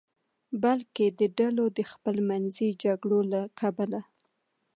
بلکې د ډلو د خپلمنځي شخړو له کبله.